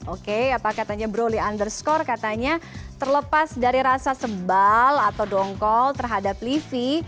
oke apa katanya broli underscore katanya terlepas dari rasa sebal atau dongkol terhadap livi